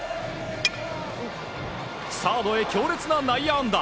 サードへ強烈な内野安打。